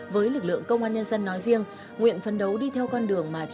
với lực lượng công an nhân dân nói riêng nguyện phấn đấu đi theo con đường